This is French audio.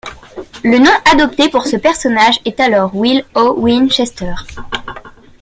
Le nom adopté pour ce personnage est alors Will O'Winchester.